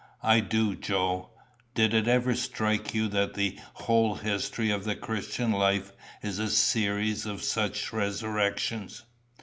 "I do, Joe. Did it ever strike you that the whole history of the Christian life is a series of such resurrections?